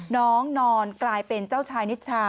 น้องนอนกลายเป็นเจ้าชายนิชชา